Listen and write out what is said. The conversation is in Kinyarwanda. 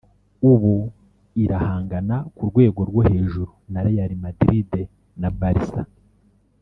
ubu irahangana ku rwego rwo hejuru na Real Madrid na Barca